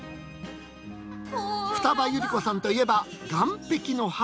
二葉百合子さんといえば「岸壁の母」。